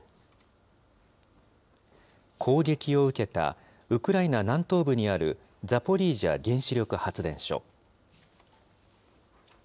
攻撃を受けた、ウクライナ南東部にあるザポリージャ原子力発電所。